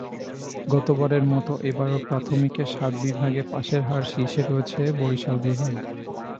গতবারের মতো এবারও প্রাথমিকে সাত বিভাগে পাসের হারে শীর্ষে রয়েছে বরিশাল বিভাগ।